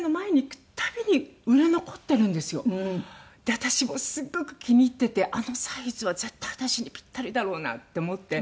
私もうすごく気に入っててあのサイズは絶対私にピッタリだろうなって思って。